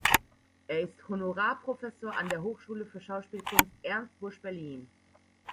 Er ist Honorarprofessor an der Hochschule für Schauspielkunst „Ernst Busch“ Berlin.